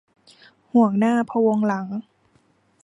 ห่วงหน้าพะวงหลัง